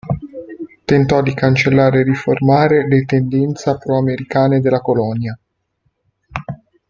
Tentò di cancellare e riformare le tendenza pro-americane della colonia.